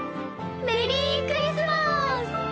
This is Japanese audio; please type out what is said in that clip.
メリークリスマス！